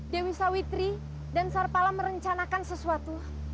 dewi sawitri dan sarpala merencanakan sesuatu